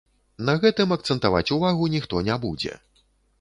На гэтым акцэнтаваць увагу ніхто не будзе.